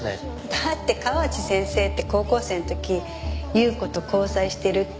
だって河内先生って高校生の時優子と交際してるって噂があったんです。